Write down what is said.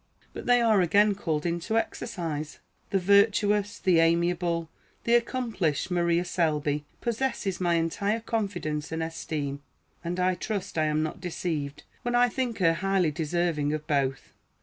But they are again called into exercise. The virtuous, the amiable, the accomplished Maria Selby possesses my entire confidence and esteem; and I trust I am not deceived when I think her highly deserving of both.